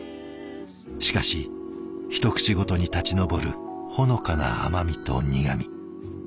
しかし一口ごとに立ち上るほのかな甘みと苦み。